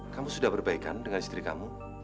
kamu sudah perbaikan dengan istri kamu